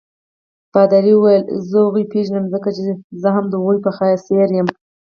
پادري وویل: زه هغوی پیژنم ځکه چې زه هم د هغوی په څېر یم.